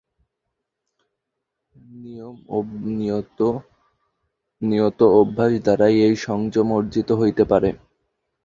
নিয়ত অভ্যাস দ্বারাই এই সংযম অর্জিত হইতে পারে।